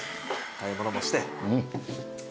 買い物もして。